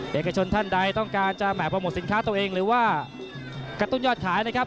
เอกชนท่านใดต้องการจะแห่โปรโมทสินค้าตัวเองหรือว่ากระตุ้นยอดขายนะครับ